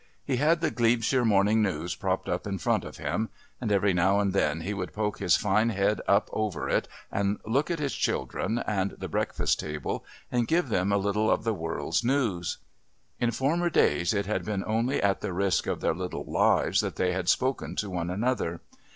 He had the Glebshire Morning News propped up in front of him, and every now and then he would poke his fine head up over it and look at his children and the breakfast table and give them a little of the world's news. In former days it had been only at the risk of their little lives that they had spoken to one another.